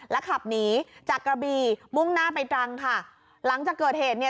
ขับหนีจากกระบีมุ่งหน้าไปตรังค่ะหลังจากเกิดเหตุเนี่ย